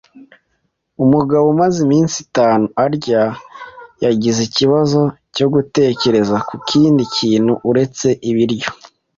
Umugabo, umaze iminsi itatu atarya, yagize ikibazo cyo gutekereza kukindi kintu uretse ibiryo.